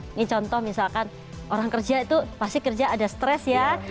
ini contoh misalkan orang kerja itu pasti kerja ada stres ya